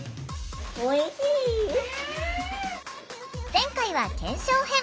前回は検証編。